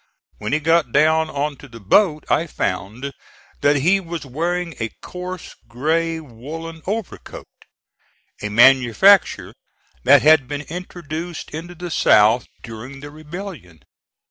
When he got down on to the boat I found that he was wearing a coarse gray woollen overcoat, a manufacture that had been introduced into the South during the rebellion.